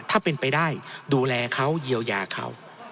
ถ้าเป็นไปได้ดูแลเขาเยียวยาเขา